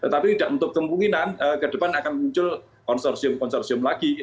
tapi tidak untuk kemungkinan ke depan akan muncul konsorsium konsorsium lagi